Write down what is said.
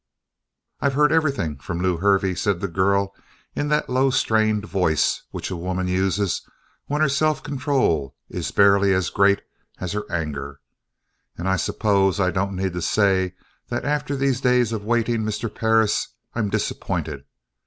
"I've heard everything from Lew Hervey," said the girl, in that low strained voice which a woman uses when her self control is barely as great as her anger, "and I suppose I don't need to say that after these days of waiting, Mr. Perris, I'm disappointed.